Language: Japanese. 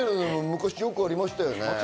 昔よくありましたよね。